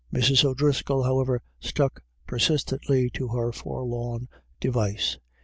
Mrs. O'Driscoll, however, stuck persistently to her forlorn device.